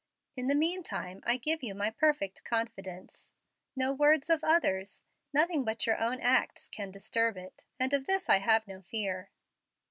In the meantime I give you my perfect confidence. No words of others nothing but your own acts can disturb it, and of this I have no fear."